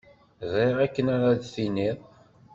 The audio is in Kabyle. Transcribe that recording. Ẓriɣ akken ara d-tiniḍ.